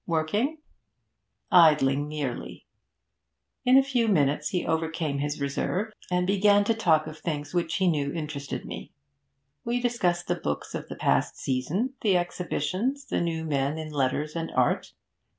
'Working?' 'Idling merely.' In a few minutes he overcame his reserve and began to talk of the things which he knew interested me. We discussed the books of the past season, the exhibitions, the new men in letters and art.